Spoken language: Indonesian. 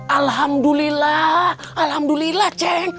alhamdulillah alhamdulillah ceng